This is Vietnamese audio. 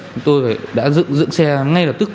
chúng tôi đã dựng xe ngay lập tức